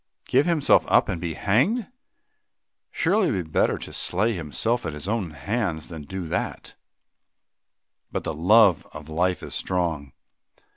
Give himself up and be hanged! Surely it were better to slay himself with his own hands than do that! But the love of life is strong.